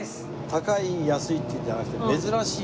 高い安いっていうのじゃなくて珍しい。